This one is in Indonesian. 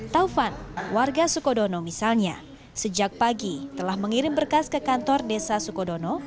taufan warga sukodono misalnya sejak pagi telah mengirim berkas ke kantor desa sukodono